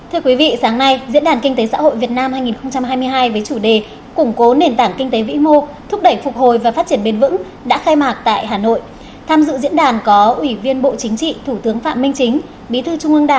hãy đăng ký kênh để ủng hộ kênh của chúng mình nhé